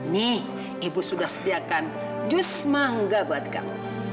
nih ibu sudah sediakan jus mangga buat kamu